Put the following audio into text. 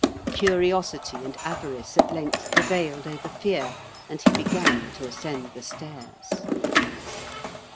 Curiosity and avarice at length prevailed over fear, and he began to ascend the stairs.